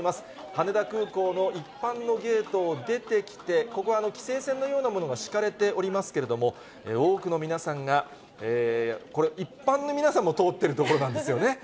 羽田空港の一般のゲートを出てきて、ここは規制線のようなものが敷かれておりますけれども、多くの皆さんがこれ、一般の皆さんも通ってる所なんですよね。